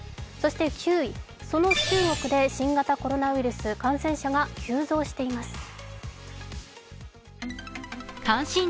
そして９位、その中国で新型コロナウイルス、感染者が急増しています。